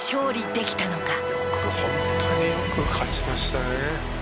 「これホントによく勝ちましたね」